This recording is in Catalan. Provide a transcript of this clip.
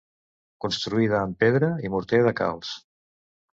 Construïda amb pedra i morter de calç.